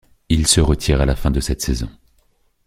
Il se retire à la fin de cette saison.